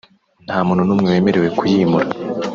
nta muntu n’umwe wemerewe kuyimura